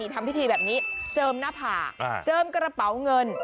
ทำพิธีแบบนี้เจิมหน้าผากเจิมกระเป๋าเงิน